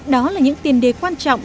đó là những tiền đề quan trọng